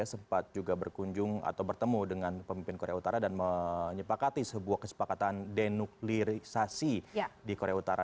sempat juga berkunjung atau bertemu dengan pemimpin korea utara dan menyepakati sebuah kesepakatan denuklirisasi di korea utara